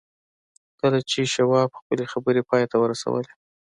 کله چې شواب خپلې خبرې پای ته ورسولې.